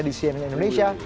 di cnn indonesia